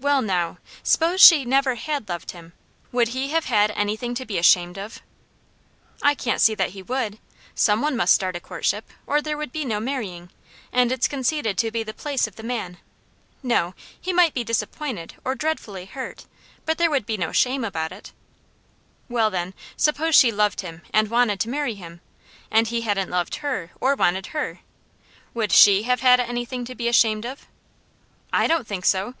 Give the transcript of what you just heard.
"Well, now, 'spose she never had loved him, would he have had anything to be ashamed of?" "I can't see that he would. Some one must start a courtship, or there would be no marrying, and it's conceded to be the place of the man. No. He might be disappointed, or dreadfully hurt, but there would be no shame about it." "Well, then, suppose she loved him, and wanted to marry him, and he hadn't loved her, or wanted her, would SHE have had anything to be ashamed of?" "I don't think so!